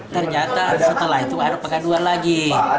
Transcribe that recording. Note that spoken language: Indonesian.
ternyata setelah itu ada pengaduan lagi